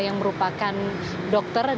yang merupakan penyidikan yang berhasil